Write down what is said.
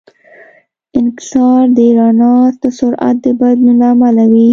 انکسار د رڼا د سرعت د بدلون له امله وي.